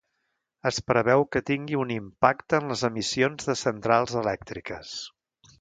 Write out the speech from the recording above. Es preveu que tingui un impacte en les emissions de centrals elèctriques.